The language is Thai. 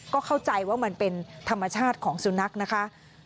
ก็เข้าใจว่ามันเป็นธรรมชาติของสุนัขนะคะ